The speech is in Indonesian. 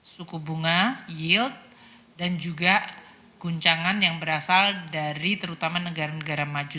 suku bunga yield dan juga guncangan yang berasal dari terutama negara negara maju